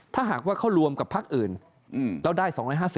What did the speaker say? ถ้าหากว่าเขารวมกับพักอื่นแล้วได้๒๕๐